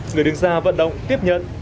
người đứng ra vận động tiếp nhận